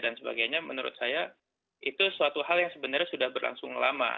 dan sebagainya menurut saya itu suatu hal yang sebenarnya sudah berlangsung lama